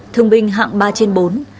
thương binh hạng ba trên bốn